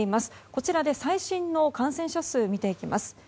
こちらで最新の感染者数を見ていきます。